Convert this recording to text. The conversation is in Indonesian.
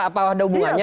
apa ada hubungannya